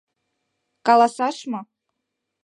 — Каласаш мо?